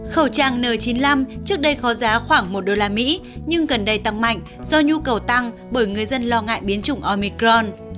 khẩu trang n chín mươi năm trước đây có giá khoảng một đô la mỹ nhưng gần đây tăng mạnh do nhu cầu tăng bởi người dân lo ngại biến chủng omicron